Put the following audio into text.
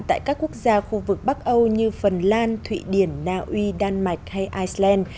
tại các quốc gia khu vực bắc âu như phần lan thụy điển nào uy đan mạch hay iceland